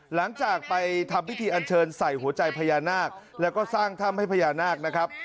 หลังจากไปทำพิธีอันเชิญใส่หัวใจพญานาคแล้วก็สร้างถ้ำให้พญานาคนะครับ